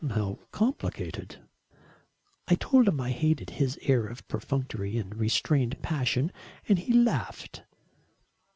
"How complicated." "I told him I hated his air of perfunctory but restrained passion, and he laughed."